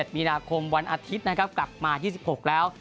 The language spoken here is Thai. มีนาคมวันอาทิตย์นะครับกลับมา๒๖แล้ว